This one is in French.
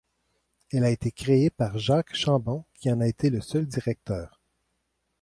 Elle a été créée par Jacques Chambon qui en a été le seul directeur.